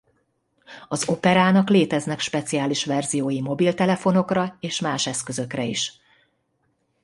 Az Operának léteznek speciális verziói mobiltelefonokra és más eszközökre is.